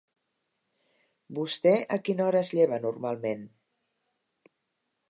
Vostè a quina hora es lleva normalment?